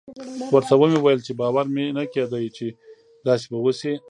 ورته ومې ويل چې باور مې نه کېده چې داسې به وسي.